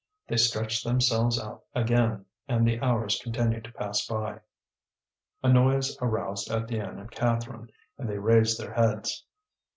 They stretched themselves out again, and the hours continued to pass by. A noise aroused Étienne and Catherine, and they raised their heads.